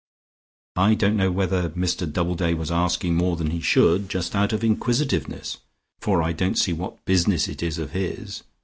I don't know whether Mr Doubleday wasn't asking more than he should, just out of inquisitiveness, for I don't see what business it is of his.